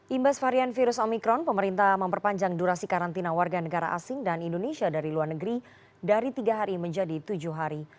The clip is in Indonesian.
imbas varian virus omikron pemerintah memperpanjang durasi karantina warga negara asing dan indonesia dari luar negeri dari tiga hari menjadi tujuh hari